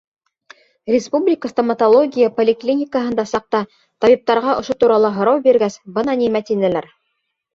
Республика стоматология поликлиникаһында саҡта табиптарға ошо турала һорау биргәс, бына нимә тинеләр: